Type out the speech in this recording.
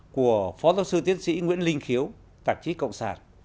của phó giáo sư tiến sĩ nguyễn linh khiếu tạp chí cộng sản